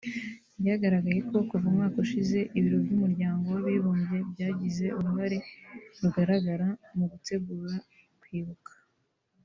Byagaragaye ko kuva umwaka ushize ibiro by’Umuryango w’Abibumbye byagize uruhare rugaragra mu gutegura kwibuka